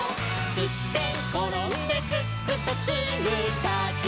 「すってんころんですっくとすぐたちあがる」